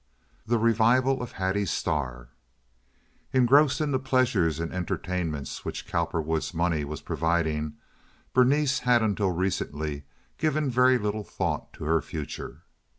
The Revival of Hattie Starr Engrossed in the pleasures and entertainments which Cowperwood's money was providing, Berenice had until recently given very little thought to her future.